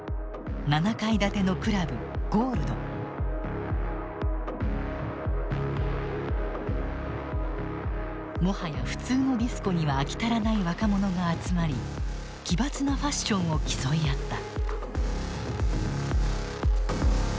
７階建てのクラブもはや普通のディスコには飽き足らない若者が集まり奇抜なファッションを競い合った。